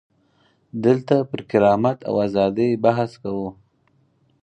دلته پر کرامت او ازادۍ بحث کوو.